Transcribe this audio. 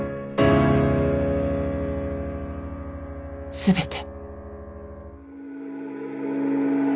全て。